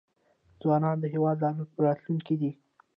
ځوانان د هیواد راتلونکی دی